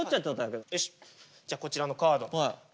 よしじゃあこちらのカード。